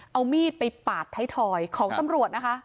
เอามีดไปปาดไทยทอยของตำรวจนะคะ